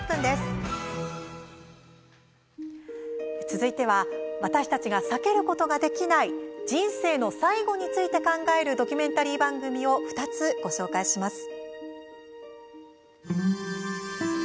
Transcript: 続いては、私たちが避けることができない人生の最期について考えるドキュメンタリー番組を２つご紹介します。